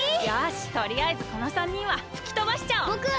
よしとりあえずこの３人はふきとばしちゃおう！